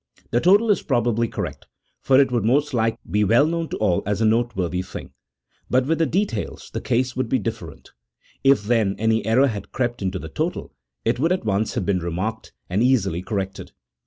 The total is probably correct, for it would most likely be well known to all as a noteworthy thing ; but with the details, the case would be different. If, then, any error had crept into the total, it would at once have been remarked, and easily cor rected.